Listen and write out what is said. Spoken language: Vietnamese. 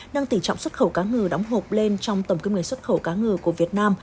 năm mươi ba nâng tỉ trọng xuất khẩu cá ngừ đóng hộp lên trong tổng kinh ngành xuất khẩu cá ngừ của việt nam